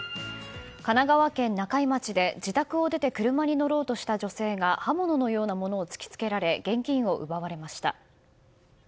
神奈川県中井町で自宅を出て車に乗ろうとした女性が刃物のようなものを突き付けられ現金を奪われました。